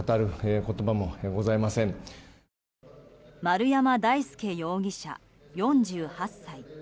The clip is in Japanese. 丸山大輔容疑者、４８歳。